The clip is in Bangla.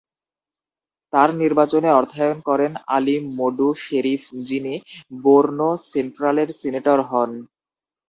তার নির্বাচনে অর্থায়ন করেন আলি মোডু শেরিফ, যিনি বোরনো সেন্ট্রালের সিনেটর হন।